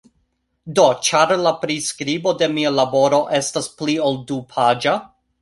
Do, ĉar, la priskribo de mia laboro estas pli ol du-paĝa.